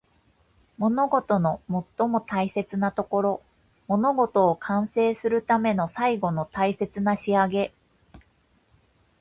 物事の最も大切なところ。物事を完成するための最後の大切な仕上げ。